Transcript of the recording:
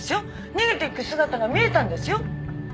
逃げていく姿が見えたんですよ。